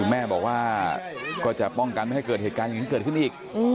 แม่บอกว่าก็จะป้องกันไม่ให้เกิดเหตุการณ์อย่างนี้เกิดขึ้นอีก